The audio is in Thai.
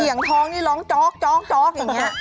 เสี่ยงท้องนี่ร้องจ๊อกอย่างนี้